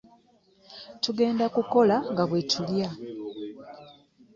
Tugenda kukola nga bwe tulya.